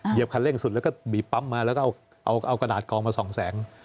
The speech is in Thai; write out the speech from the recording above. คันเร่งสุดแล้วก็บีบปั๊มมาแล้วก็เอากระดาษกองมาส่องแสง